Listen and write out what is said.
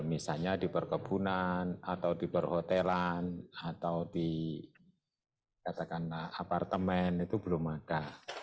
misalnya di perkebunan atau di perhotelan atau di katakanlah apartemen itu belum ada